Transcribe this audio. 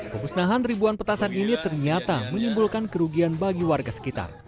pemusnahan ribuan petasan ini ternyata menimbulkan kerugian bagi warga sekitar